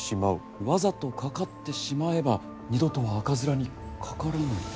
わざとかかってしまえば二度とは赤面にかからぬ。